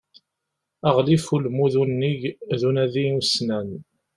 Aɣlif n ulmud unnig d unadi ussnan.